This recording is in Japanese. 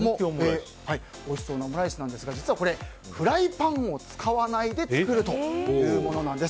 おいしそうなオムライスなんですが実はこれフライパンを使わないで作るというものなんです。